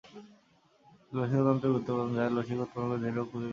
এটি লসিকা তন্ত্রের গুরুত্বপূর্ণ উপাদান যা লসিকা উৎপন্ন করে দেহের রোগ প্রতিরোধ করে।